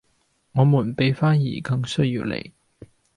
我們比花兒更需要你